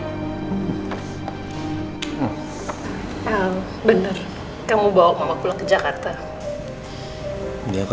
kamu bawa mama pulang ke jakarta